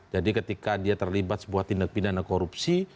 jadi ketika dia terlibat sebuah tindak pindahan korupsi